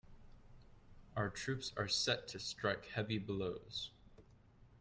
Our troops are set to strike heavy blows.